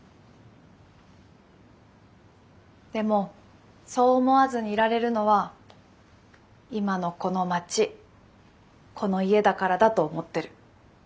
でもそう思わずにいられるのは今のこの町この家だからだと思ってる。